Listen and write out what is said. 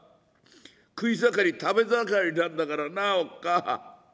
食い盛り食べ盛りなんだからなあおっかあ。